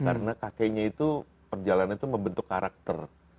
karena kakeknya itu perjalanan itu membentuk karakter